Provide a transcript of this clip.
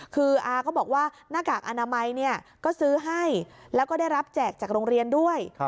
คืออาก็บอกว่าหน้ากากอนามัยก็ซื้อให้แล้วก็ได้รับแจกจากโรงเรียนด้วย